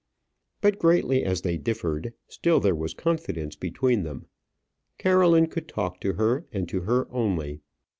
But greatly as they differed, still there was confidence between them. Caroline could talk to her, and to her only.